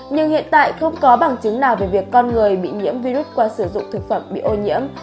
nhưng hiện tại không có bằng chứng nào về việc con người bị nhiễm virus qua sử dụng thực phẩm bị ô nhiễm